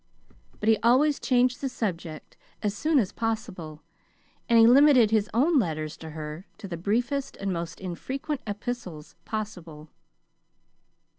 But he always changed the subject as soon as possible, and he limited his own letters to her to the briefest and most infrequent epistles possible.